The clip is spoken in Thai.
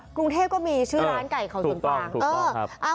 กรุงเทพก็มีชื่อร้านไก่เขาสวนกวางถูกต้องครับ